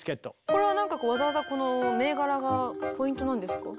これはなんかわざわざこの銘柄がポイントなんですか？